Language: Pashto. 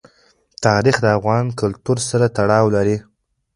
تاریخ د افغان کلتور سره تړاو لري.